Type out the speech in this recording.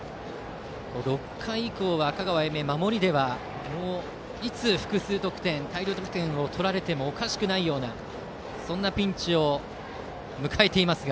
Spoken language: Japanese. ６回以降は香川・英明守りではいつ複数得点大量得点を取られてもおかしくないようなピンチを迎えていますが。